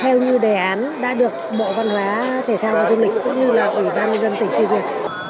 theo như đề án đã được bộ văn hóa thể thao và dung lịch cũng như là ủy ban dân tỉnh phi duyên